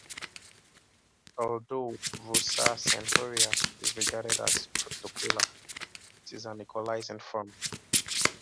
Although "Vossa Senhoria" is regarded as protocolar, it is an equalizing form.